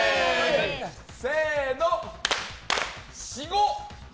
せーの、４×５。